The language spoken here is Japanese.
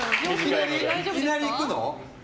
いきなりいくの？